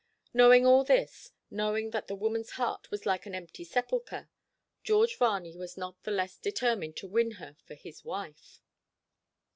Knowing all this, knowing that the woman's heart was like an empty sepulchre, George Varney was not the less determined to win her for his wife.